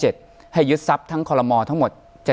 ให้ยึดทรัพย์ทั้งคอลโมทั้งหมด